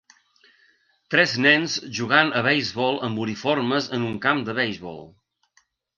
Tres nens jugant a beisbol amb uniformes en un camp de beisbol.